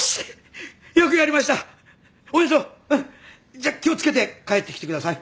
じゃあ気を付けて帰ってきてください。